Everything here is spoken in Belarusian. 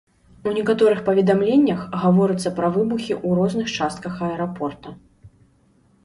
У некаторых паведамленнях гаворыцца пра выбухі ў розных частках аэрапорта.